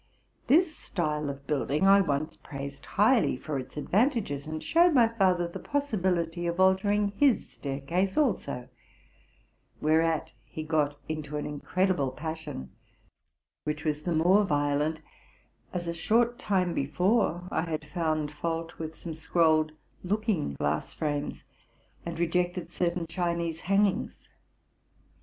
This style of building I once praised highly for its advantages, and showed my father the possibility of altering his staircase also; whereat he got into an incredible passion, which was the more violent as, a short time before, I had found fault with some scrolled looking glass frames, and rejected certain Chinese hangings.